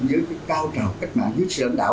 với cái cao trào cách mạng dưới sự lãnh đạo